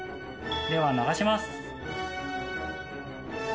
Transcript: では流します。